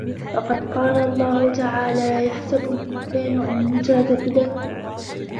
وَقَدْ قَالَ اللَّهُ تَعَالَى أَيَحْسَبُ الْإِنْسَانُ أَنْ يُتْرَكَ سُدًى